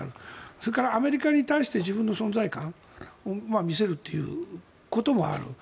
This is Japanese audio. それからアメリカに対して自分の存在感を見せるということもある。